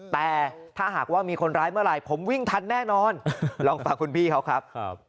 แต่ถ้าหากว่ามีคนร้ายเมื่อไหร่ผมวิ่งทันแน่นอนลองฟังคุณพี่เขาครับ